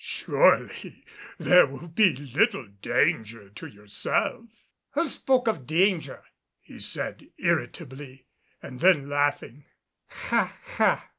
"Surely, there will be little danger to yourself." "Who spoke of danger?" he said irritably, and then laughing, "Ha! ha!